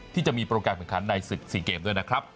ที่จะมีประโยคการเป็นขั้นใน๔เกมด้วยนะครับ